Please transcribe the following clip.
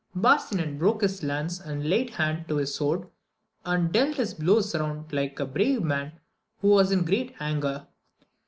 Bar sinan broke his lance, and laid hand to his sword, and dealt his blows around like a brave man who was in great anger.